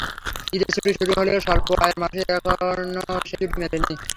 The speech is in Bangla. ঈদের ছুটি শুরু হলেও স্বল্প আয়ের মানুষদের এখনো সেই ছুটি মেলেনি।